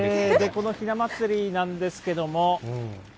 このひな祭りなんですけれども。